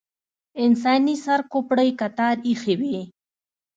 انساني سر کوپړۍ کتار ایښې وې.